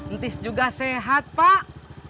ntis juga sehat pak